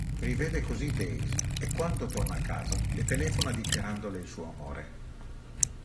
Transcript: Rivede così Daisy e quando torna a casa le telefona dichiarandole il suo amore.